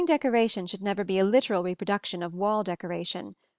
] Ceiling decoration should never be a literal reproduction of wall decoration.